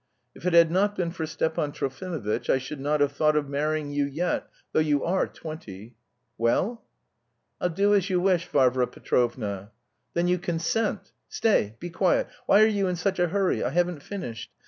If it had not been for Stepan Trofimovitch, I should not have thought of marrying you yet, though you are twenty.... Well?" "I'll do as you wish, Varvara Petrovna." "Then you consent! Stay, be quiet. Why are you in such a hurry? I haven't finished.